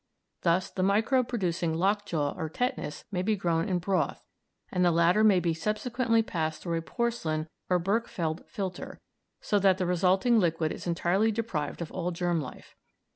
Thus the microbe producing lock jaw or tetanus may be grown in broth, and the latter may be subsequently passed through a porcelain or a Berkefeld filter, so that the resulting liquid is entirely deprived of all germ life.